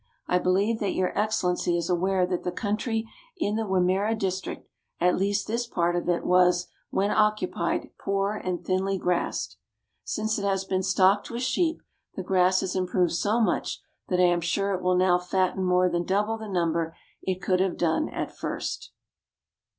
I believe that Your Excellency is aware that the country in the Wimmera district, at least this part of it, was, when occupied, poor and thinly grassed. Since it has been stocked with sheep, the grass has improved so much that I am sure it will now fatten more than double the number it could have done at first.